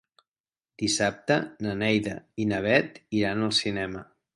Dissabte na Neida i na Bet iran al cinema.